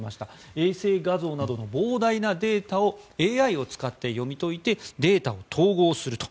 衛星画像などの膨大なデータをＡＩを使って読み解いてデータを統合すると。